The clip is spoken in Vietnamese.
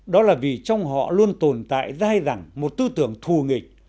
đó là vì trong họ luôn tồn tại dai rằng một tư tưởng thù nghịch